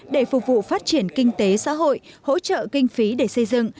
để phục vụ phát triển kinh tế xã hội hỗ trợ kinh phí để xây dựng